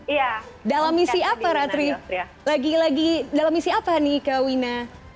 iya dalam misi apa ratri lagi dalam misi apa nih kak wina